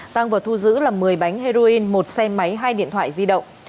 tăng vật thu giữ là một mươi bánh heroin một xe máy hai điện thoại di động